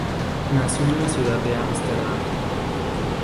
Nació en la ciudad de Ámsterdam.